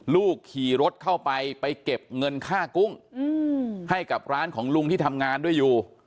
ลูกขี่รถเข้าไปไปเก็บเงินค่ากุ้งให้กับร้านของลุงที่ทำงานด้วยอยู่